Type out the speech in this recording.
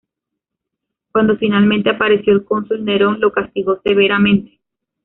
Cuando finalmente apareció el cónsul Nerón lo castigó severamente.